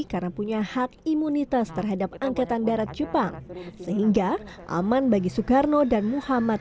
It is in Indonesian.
karena punya hak imunitas terhadap angkatan darat jepang sehingga aman bagi soekarno dan muhammad